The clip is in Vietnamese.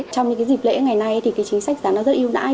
trong những dịp lễ ngày nay thì chính sách giá rất yêu đáy